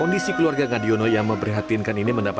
di sini empat bulan kurang lebihnya